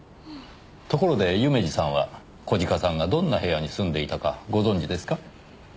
ところで夢路さんは小鹿さんがどんな部屋に住んでいたかご存じですか？